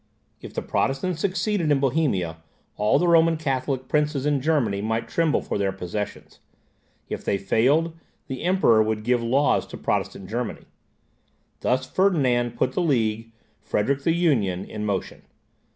If the Protestants succeeded in Bohemia, all the Roman Catholic princes in Germany might tremble for their possessions; if they failed, the Emperor would give laws to Protestant Germany. Thus Ferdinand put the League, Frederick the Union, in motion.